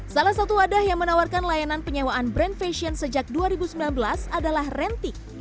salah satu wadah yang menawarkan layanan penyewaan brand fashion sejak dua ribu sembilan belas adalah rentik